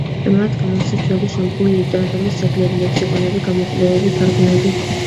მათ გამოსცეს ძველი სომხური ლიტერატურის ძეგლები, ლექსიკონები, გამოკვლევები, თარგმანები.